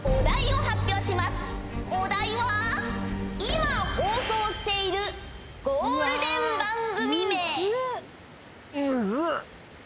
今放送しているゴールデン番組名。